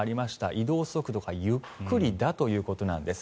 移動速度がゆっくりだということなんです。